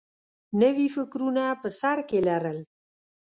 نوي فکرونه په سر کې لرل